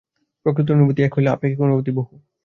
প্রকৃত অনুভূতি এক হইলেও আপেক্ষিক অনুভূতি বহু।